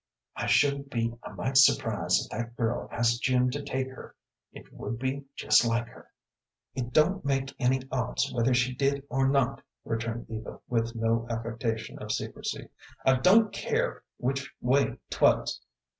"I shouldn't be a mite surprised if that girl asked Jim to take her. It would be just like her." "It don't make any odds whether she did or not," returned Eva, with no affectation of secrecy. "I don't care which way 'twas."